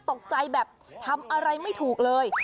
ตกใจแบบทำอะไรไม่ถูกเลย